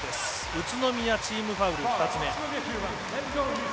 宇都宮、チームファウル２つ目。